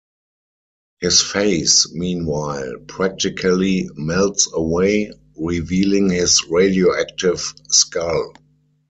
His face, meanwhile, practically melts away, revealing his radioactive skull.